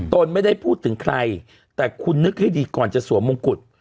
ตนไม่ได้พูดถึงใครแต่คุณนึกให้ดีก่อนจะสวมมงกุฎ